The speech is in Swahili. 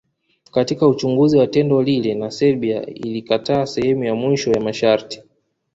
Katika Uchunguzi wa tendo lile na Serbia ilikataa sehemu ya mwisho ya masharti